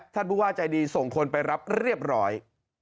ท่านผู้ว่าใจดีส่งคนไปรับเรียบร้อย